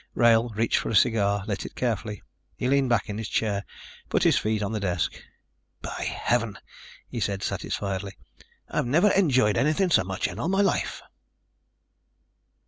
Wrail reached for a cigar, lit it carefully. He leaned back in his chair, put his feet on the desk. "By Heaven," he said satisfiedly, "I've never enjoyed anything so much in all my life."